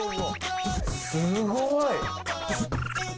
すごい！